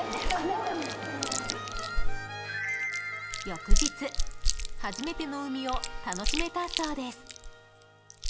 翌日、初めての海を楽しめたそうです。